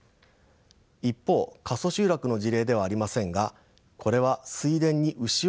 一方過疎集落の事例ではありませんがこれは水田にウシを放牧した事例です。